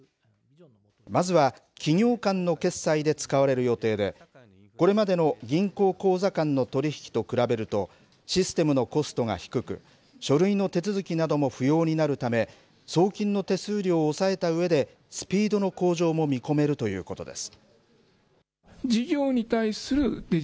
まずは企業間の決済で使われる予定でこれまでの銀行口座間の取り引きと比べるとシステムのコストが低く書類の手続きなども不要になるため送金の手数料を抑えたうえでスピードの向上も見込めるということです。